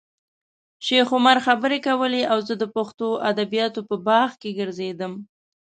شیخ عمر خبرې کولې او زه د پښتو ادبیاتو په باغ کې ګرځېدم.